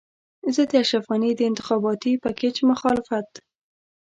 زه د اشرف غني د انتخاباتي پېکج مخالفت.